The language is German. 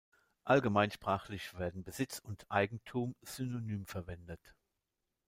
Allgemeinsprachlich werden Besitz und Eigentum synonym verwendet.